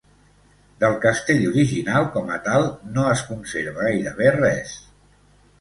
Del castell original com a tal, no es conserva gairebé res.